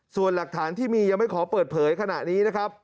ส่วนหลักฐานที่มียังไม่ขอเปิดเผยขณะนี้นะครับ